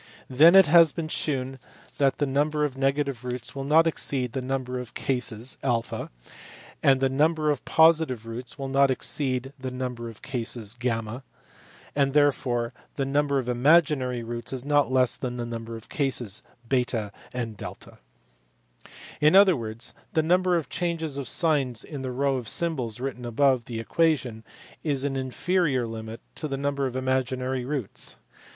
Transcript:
Then it has been shewn that the number of DISCOVERIES IN 1684. 333 negative roots will not exceed the number of cases (a), and the number of positive roots will not exceed the number of cases (y); and therefore the number of imaginary roots is not less than the number of cases (/3) and (8). In other words the number of changes of signs in the row of symbols written above the equation is an inferior limit to the number of imaginary roots.